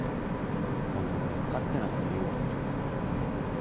ほな俺も勝手なこと言うわ。